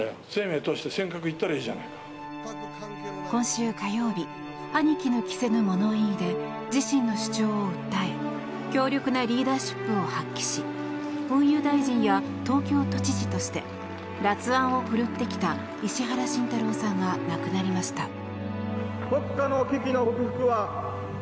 今週火曜日歯に衣着せぬ物言いで自身の主張を訴え強力なリーダーシップを発揮し運輸大臣や東京都知事として辣腕を振るってきた石原慎太郎さんが亡くなりました。